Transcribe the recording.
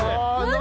何？